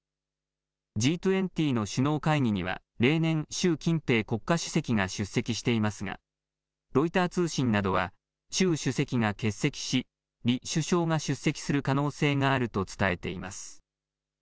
Ｇ２０の首脳会議には、例年、習近平国家主席が出席していますが、ロイター通信などは習主席が欠席し、李首相が出席する可能性があると伝えています。